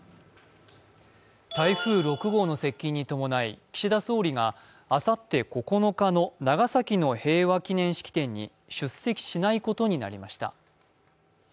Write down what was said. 台風６号の接近に伴い、岸田総理があさって９日の長崎の平和記念式典に出席しないことになりました。